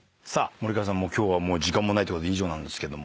森川さん今日は時間もないということで以上なんですけど。